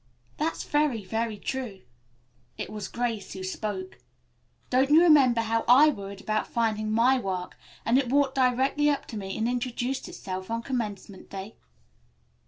"That's very, very true." It was Grace who spoke. "Don't you remember how I worried about finding my work, and it walked directly up to me and introduced itself on Commencement day?"